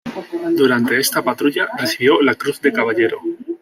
Durante esta patrulla recibió la Cruz de Caballero.